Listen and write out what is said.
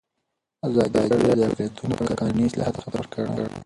ازادي راډیو د اقلیتونه په اړه د قانوني اصلاحاتو خبر ورکړی.